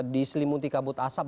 di selimuti kabut asap